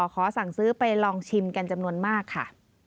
ขอสั่งซื้อไปลองชิมกันจำนวนมากค่ะ